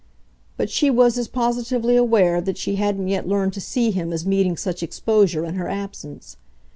But she was as positively aware that she hadn't yet learned to see him as meeting such exposure in her absence.